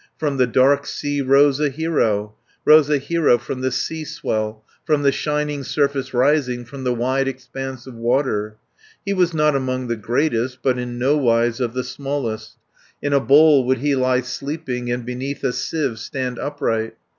From the dark sea rose a hero, Rose a hero from the sea swell, 90 From the shining surface rising, From the wide expanse of water. He was not among the greatest, But in nowise of the smallest. In a bowl would he lie sleeping, And beneath a sieve stand upright.